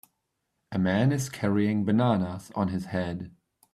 A man is carrying bananas on his head.